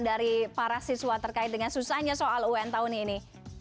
dari para siswa terkait dengan susahnya soal un tahun ini